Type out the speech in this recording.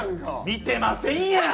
見てませんやん！